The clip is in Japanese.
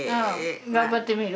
頑張ってみる？